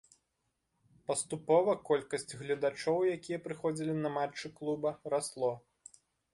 Паступова колькасць гледачоў, якія прыходзілі на матчы клуба, расло.